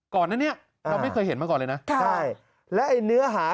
ก่อนนั้นเนี่ยเราไม่เคยเห็นมาก่อนเลยนะใช่และไอ้เนื้อหา